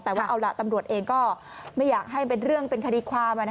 แต่ว่าเอาล่ะตำรวจเองก็ไม่อยากให้เป็นเรื่องเป็นคดีความ